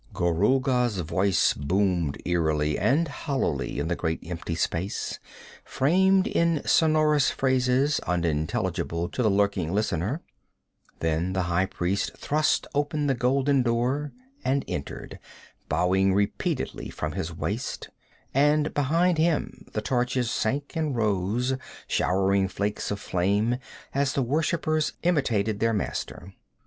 Gorulga's voice boomed eerily and hollowly in the great empty space, framed in sonorous phrases unintelligible to the lurking listener; then the high priest thrust open the golden door and entered, bowing repeatedly from his waist, and behind him the torches sank and rose, showering flakes of flame, as the worshippers imitated their master.